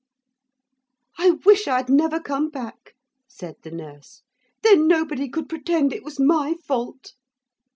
'I wish I'd never come back,' said the nurse. 'Then nobody could pretend it was my fault.'